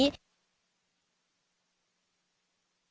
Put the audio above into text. ในอันดีงามนี้